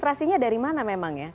operasinya dari mana memang ya